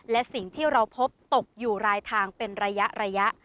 และสิ่งที่เราพบตกอยู่รายทางเป็นระยะ